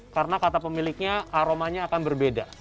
karena kata pemiliknya aromanya akan berbeda